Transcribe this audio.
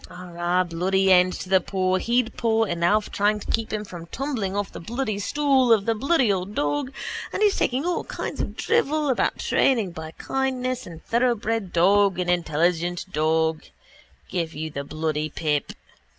Arrah, bloody end to the paw he'd paw and Alf trying to keep him from tumbling off the bloody stool atop of the bloody old dog and he talking all kinds of drivel about training by kindness and thoroughbred dog and intelligent dog: give you the bloody pip.